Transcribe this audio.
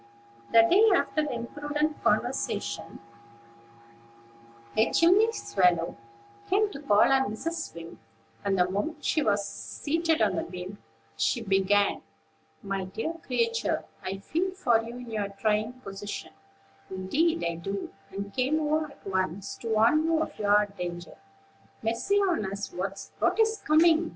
The day after the imprudent conversation, a chimney swallow came to call on Mrs. Wing; and, the moment she was seated on the beam, she began: "My dear creature, I feel for you in your trying position, indeed I do, and came over at once to warn you of your danger." "Mercy on us! what is coming?"